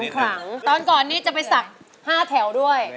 ตอนก่อนนี่จะไปสัก๕แถว